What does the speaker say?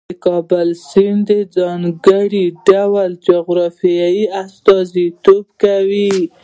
د کابل سیند د ځانګړي ډول جغرافیې استازیتوب کوي.